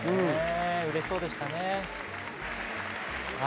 嬉しそうでしたね。